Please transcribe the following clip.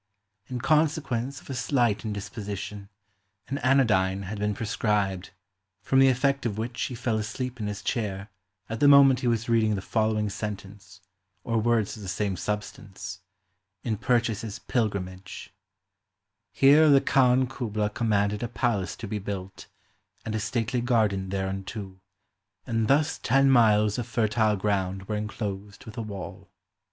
In consequence of a slight indisposition, an anodyne had been prescribed, from the effect of which he fell asleep in his chair at the moment lie was reading the following sentence, or words of the same substance, in Pur clias's "'Pilgrimage": 'Here the Khan Kubla commanded a palace to be built, and a stately garden thereunto : and thus ten miles of fertile ground were enclosed with a wall.'